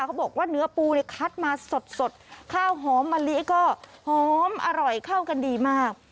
เขาบอกว่าเนื้อปูเนี่ยคัดมาสดข้าวหอมมะลิก็หอมอร่อยเข้ากันดีมาก